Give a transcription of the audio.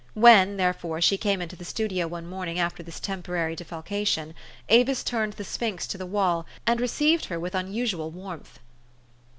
When, there fore, she came into the studio one morning after this temporary defalcation, Avis turned the sphinx to the wall, and received her with unusual warmth.